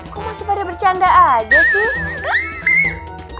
kok masih pada bercanda aja sih